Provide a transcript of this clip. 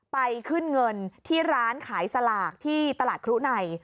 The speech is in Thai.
ไปขึ้นเงินที่ร้านขายสลากที่ตลาดครุใน